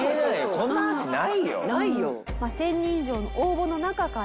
こんな話ないよ。